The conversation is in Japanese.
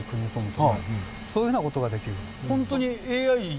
そういうふうなことができる。